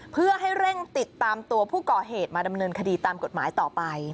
เพื่อให้เร่งติดตามตัวผู้ก่อเหตุมาดำเนินคดีตามกฎหมายต่อไป